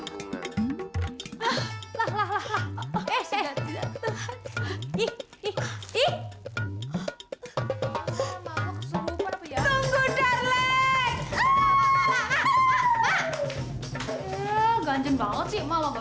lu pegang dulu ya